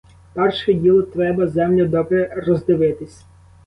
Перше діло треба землю добре роздивитися.